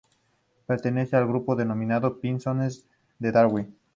Pertenece al grupo denominado pinzones de Darwin.